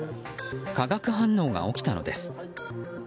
化学反応が起きたのです。